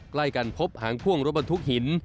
ใกล้กันพบหางพ่วงรถบรรทุกหิน